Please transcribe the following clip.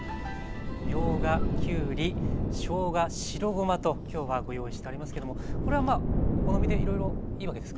みょうがきゅうりしょうが白ごまと今日はご用意してありますけどもこれはお好みでいろいろいいわけですか？